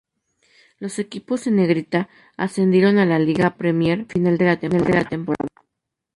Los equipos en negrita ascendieron a la Liga Premier al final de la temporada.